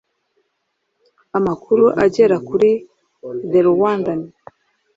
Amakuru agera kuri The Rwandan